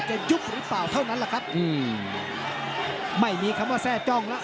ยุบหรือเปล่าเท่านั้นแหละครับอืมไม่มีคำว่าแทร่จ้องแล้ว